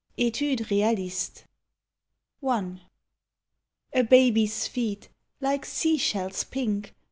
O ETUDE REAL I ST E. L A baby's feet, like sea shells pink.